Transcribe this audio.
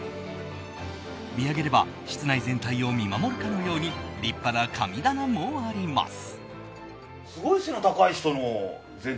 見上げれば室内全体を見守るかのように立派な神棚もあります。